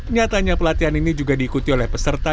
nyatanya pelatihan ini juga diikuti oleh peserta